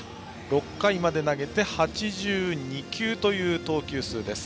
６回まで投げて８２球という投球数です。